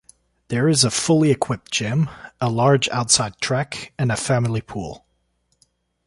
There is a fully equipped gym, a large outside track, and a family pool.